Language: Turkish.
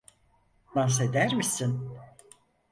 Dans eder misin?